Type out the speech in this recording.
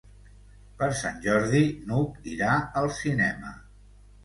Per Sant Jordi n'Hug irà al cinema.